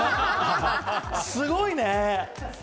すごいね！